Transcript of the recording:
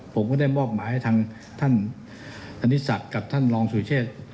ผมก็ได้มอบหมายให้ท่านทางนิสักกับท่านรองโสอิเชษ์